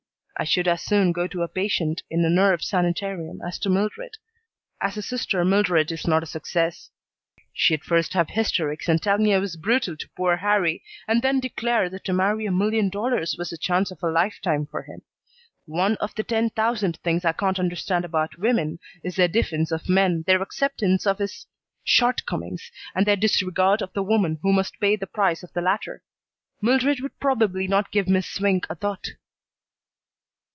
I should as soon go to a patient in a nerve sanitarium as to Mildred. As a sister Mildred is not a success. She'd first have hysterics and tell me I was brutal to poor Harrie, and then declare that to marry a million dollars was the chance of a lifetime for him. One of the ten thousand things I can't understand about women is their defense of men, their acceptance of his shortcomings, and their disregard of the woman who must pay the price of the latter. Mildred would probably not give Miss Swink a thought."